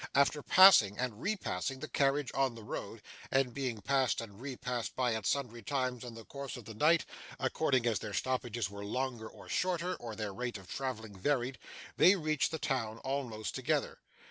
After passing and repassing the carriage on the road, and being passed and repassed by it sundry times in the course of the night, according as their stoppages were longer or shorter; or their rate of travelling varied, they reached the town almost together.